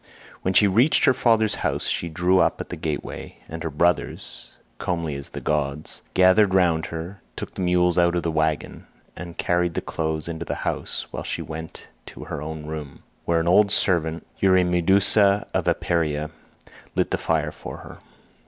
When she reached her father's house she drew up at the gateway, and her brothers—comely as the gods—gathered round her, took the mules out of the waggon, and carried the clothes into the house, while she went to her own room, where an old servant, Eurymedusa of Apeira, lit the fire for her.